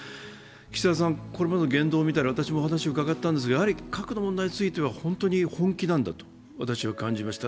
岸田さん、これまでの言動を見たり私もお話を伺ったんですけど核の問題については本当に本気なんだと私は感じました。